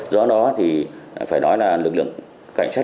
do đó thì phải nói là lực lượng cảnh sát